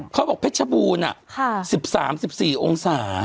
เขาบอกเผชภูณิค่ะ๑๓๑๔องศา